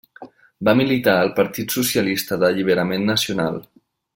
Va militar al Partit Socialista d'Alliberament Nacional.